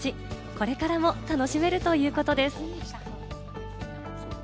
これからも楽しめるということです。